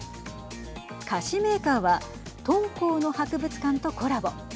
菓子メーカーは敦煌の博物館とコラボ。